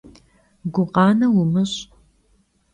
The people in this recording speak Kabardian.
Gukhane vumış'!